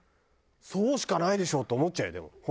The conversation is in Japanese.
そうしかないでしょと思っちゃうよでも本当に。